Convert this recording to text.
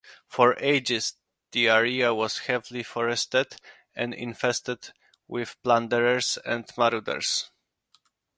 For ages the area was heavily forested and infested with plunderers and marauders.